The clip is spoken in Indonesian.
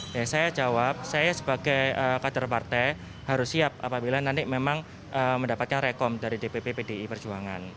ya saya jawab saya sebagai kader partai harus siap apabila nanti memang mendapatkan rekom dari dpp pdi perjuangan